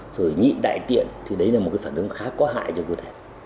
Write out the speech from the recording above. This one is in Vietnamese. rồi nhịn đại tiện thì đấy là một phản ứng khá có hại cho cô thầy